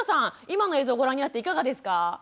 今の映像をご覧になっていかがですか？